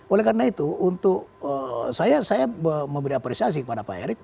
oleh karena itu untuk saya memberi apresiasi kepada pak erick